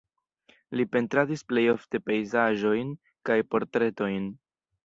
Li pentradis plej ofte pejzaĝojn kaj portretojn.